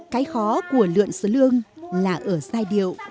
cái khó của lượn sơ lương là ở giai điệu